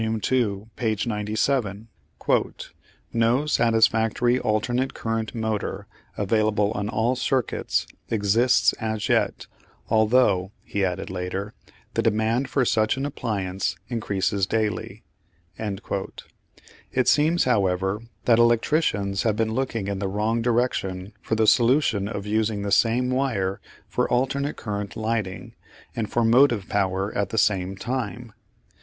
ii., p. 97): "No satisfactory alternate current motor available on all circuits exists as yet, although," he added later, "the demand for such an appliance increases daily". It seems, however, that electricians have been looking in the wrong direction for the solution of using the same wire for alternate current lighting and for motive power at the same time.